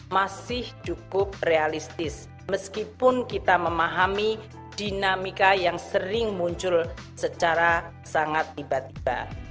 masih cukup realistis meskipun kita memahami dinamika yang sering muncul secara sangat tiba tiba